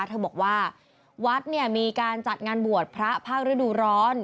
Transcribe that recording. เธอบอกว่าวัดเนี่ยมีการจัดงานบวชพระภาคฤดูร้อน